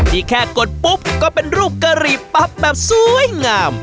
แค่กดปุ๊บก็เป็นรูปกะหรี่ปั๊บแบบสวยงาม